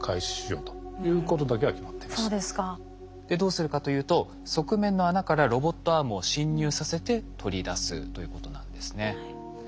でどうするかというと側面の穴からロボットアームを進入させて取り出すということなんですね。